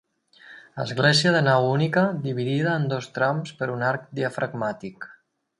Església de nau única dividida en dos trams per un arc diafragmàtic.